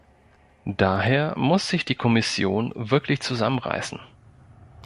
Daher muss sich die Kommission wirklich zusammenreißen.